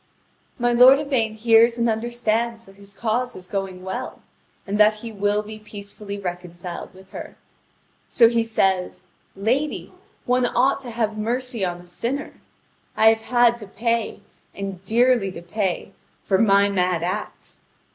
(Vv. 6777 6798.) My lord Yvain hears and understands that his cause is going well, and that he will be peacefully reconciled with her. So he says: "Lady, one ought to have mercy on a sinner. I have had to pay, and dearly to pay, for my mad act.